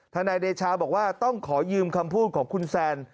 นายเดชาบอกว่าต้องขอยืมคำพูดของคุณแซน